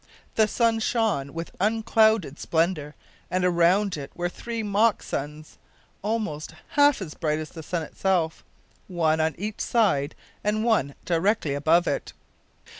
The sun shone with unclouded splendour, and around it there were three mock suns almost as bright as the sun itself, one on each side and one directly above it.